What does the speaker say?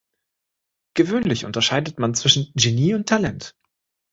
Gewöhnlich unterscheidet man zwischen Genie und Talent.